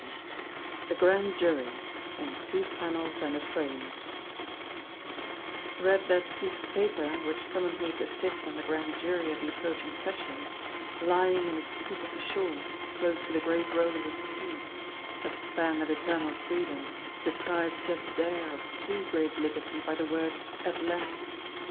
1911 THE GRAND JURY—IN TWO PANELS AND A FRAME Read that piece of paper, which summoned me to sit on the Grand Jury at the approaching Sessions, lying in a scoop of the shore close to the great rollers of the sea—that span of eternal freedom, deprived just there of too great liberty by the word "Atlantic."